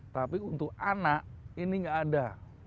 tapi untuk anak ini nggak ada